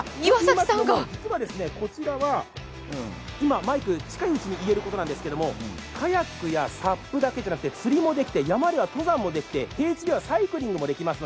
こちらは、今マイクが近いうちに言えることなんですけどもカヤックやＳＵＰだけじゃなくて、釣りもできて山では登山もできて、平地ではサイクリングもできます。